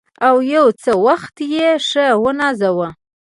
او یو څه وخت یې ښه ونازاوه.